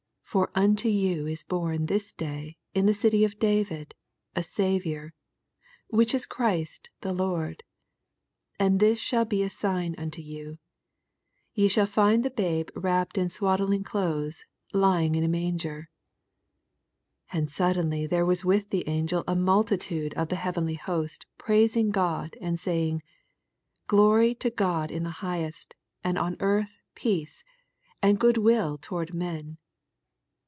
11 For onto jon is bom this day in the dty of David a Saviour, which is Christ the Lord. 12 And this ahaU he a sign nnto you ; Ye shall find the babe wrapped in swaddling clothes, lying in a man ger. 18 And suddenly there was with the angel a multitude of the heavenly host praising God, and Ba;^ng, 14 Glory to God in the mghest, and on earth peace, good will toward men.